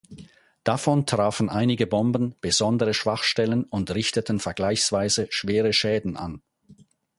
Davon trafen einige Bomben besondere Schwachstellen und richteten vergleichsweise schwere Schäden an.